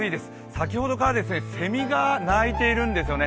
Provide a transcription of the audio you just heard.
先ほどからセミが鳴いているんですよね。